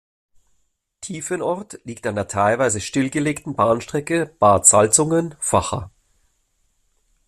Tiefenort liegt an der teilweise stillgelegten Bahnstrecke Bad Salzungen–Vacha.